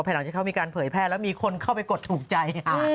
หลังจากเขามีการเผยแพร่แล้วมีคนเข้าไปกดถูกใจ